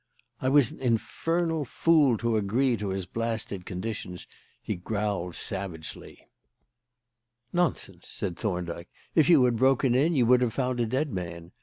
"I was an infernal fool to agree to his blasted conditions," he growled savagely. "Nonsense," said Thorndyke. "If you had broken in, you would have found a dead man.